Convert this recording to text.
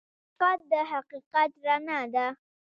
صداقت د حقیقت رڼا ده.